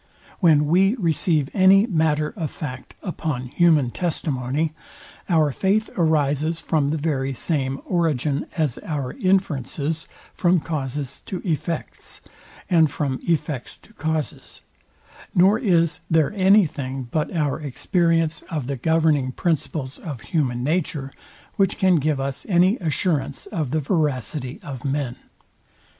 When we receive any matter of fact upon human testimony, our faith arises from the very same origin as our inferences from causes to effects, and from effects to causes; nor is there anything but our experience of the governing principles of human nature, which can give us any assurance of the veracity of men.